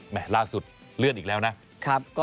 ล่าสุดเลื่อนอีกแล้วนะ